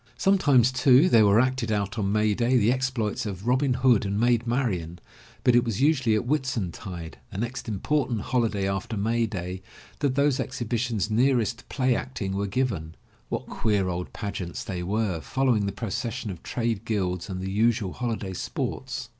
Sometimes, too, there were acted out on May day the exploits of Robin Hood and Maid Marian, but it was usually at Whitsuntide, the next important holiday after May day, that those exhibitions nearest to play acting were given. What queer old pageants they were, fol lowing the procession of trade guilds and the usual holiday sports.